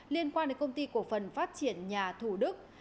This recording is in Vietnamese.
liên quan đến công ty cộng phân phát triển nhà thủ đức